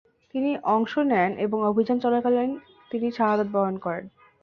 তিনি অংশ নেন এবং অভিযান চলাকালীন তিনি শাহাদাত বরণ করেন।